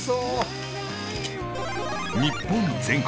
日本全国！